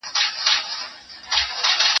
ما د سبا لپاره د ليکلو تمرين کړی دی؟!